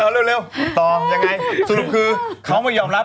เลยเร็วต่อกันยังไงสรุปคือเขามันยอมรับ